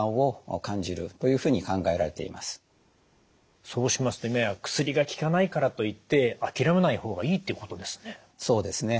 実際そうしますと今や薬が効かないからといって諦めない方がいいってことですね。